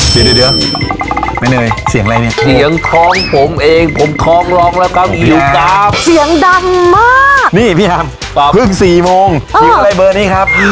ถึง๔โมงคิวอะไรเบอร์นี้ครับ